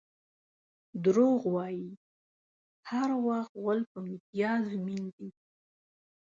دروغ وایي؛ هر وخت غول په میتیازو مینځي.